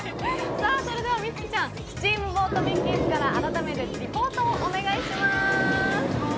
それでは美月ちゃん、スチームボート・ミッキーズから改めてリポートをお願いします。